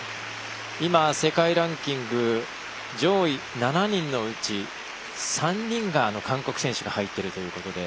今、世界ランキング上位７人のうち３人が韓国選手が入っているということで。